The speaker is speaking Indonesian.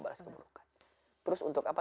bahas keburukan terus untuk apa